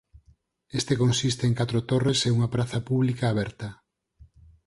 Este consiste en catro torres e unha praza pública aberta.